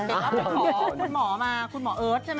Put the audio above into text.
ไปขอคุณหมอมาคุณหมอเอิร์ทใช่ไหม